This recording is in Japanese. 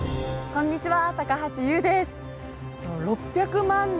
こんにちは。